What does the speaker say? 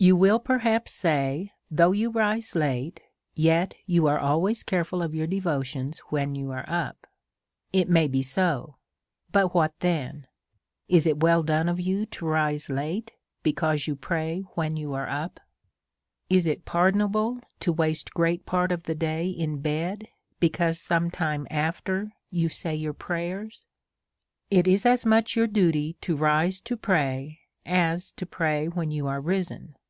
You will perhaps say, though you rise late, yet you are always careful of your devotions when you are up. It may be so ; but what then ? Is it well done of m2 16i A SERIOUS CALL TO A you to rise late because you pray when you are up ? Is it pardonable to waste great part of the day in bed, because some time after you say your prayers? It is as much your duty to rise to pray as to pray when you are risen.